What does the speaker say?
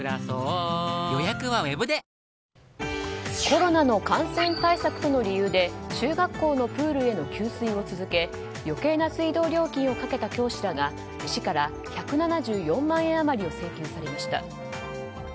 コロナの感染対策との理由で中学校のプールへの給水を続け余計な水道料金をかけた教師らが市から１７４万円余りを請求されました。